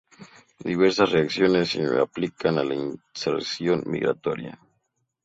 Diversas reacciones se aplican a la inserción migratoria.